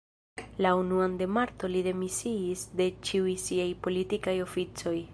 La unuan de marto li demisiis de ĉiuj siaj politikaj oficoj.